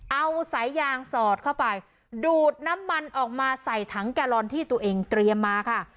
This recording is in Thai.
เอาสายยางสอดเข้าไปดูดน้ำมันออกมาใส่ถังแกลลอนที่ตัวเองเตรียมมาค่ะ